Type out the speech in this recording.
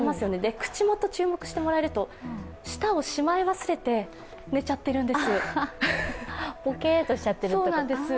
口元注目してもらえると舌をしまい忘れて寝ちゃっているんです。